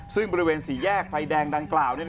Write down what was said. ซึ่งบริเวณสี่แยกไฟแดงดังกล่าว